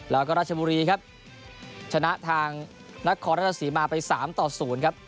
แล้วก็ราชบุรีครับชนะทางนครราชสีมาไป๓ต่อ๐ครับ